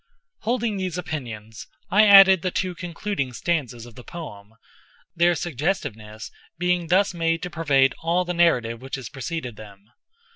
Holding these opinions, I added the two concluding stanzas of the poem—their suggestiveness being thus made to pervade all the narrative which has preceded them.